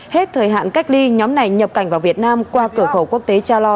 hết thời hạn cách ly nhóm này nhập cảnh vào việt nam qua cửa khẩu quốc tế cha lo